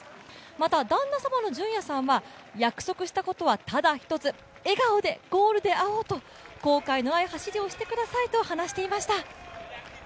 また、旦那様は、約束したことはただ一つ、笑顔でゴールで会おうと後悔のない走りをしてくださいと話していました。